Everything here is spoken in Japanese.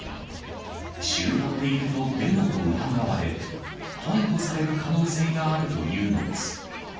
集団でいるとデモと疑われ、逮捕される可能性があるというのです。